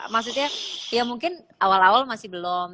maksudnya ya mungkin awal awal masih belum